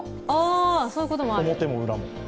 表も裏も。